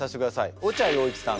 落合陽一さん。